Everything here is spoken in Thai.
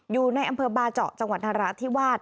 อยู่ในอำเภอบาเจาะจังหวัดนราธิวาส